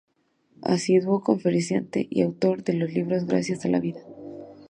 Asiduo conferenciante y autor de los libros: "Gracias a la vida.